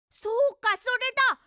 そうかそれだ！